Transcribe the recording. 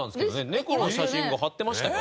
ネコの写真が貼ってましたよ。